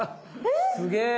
すげえ！